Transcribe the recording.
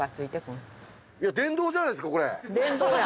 電動や。